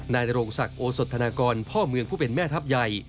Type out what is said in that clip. นายนโรงศักดิ์โอสธนากรพ่อเมืองผู้เป็นแม่ทัพใหญ่